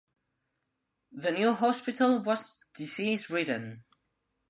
The new hospital was disease ridden.